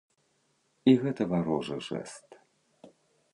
І гэта варожы жэст.